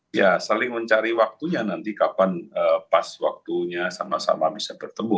ya saling mencari waktunya nanti kapan pas waktunya sama sama bisa bertemu